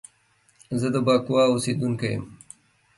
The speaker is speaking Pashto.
زه د بکواه اوسیدونکی یم